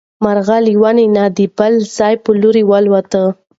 مرغۍ له ونې نه د بل ځای په لور والوتې.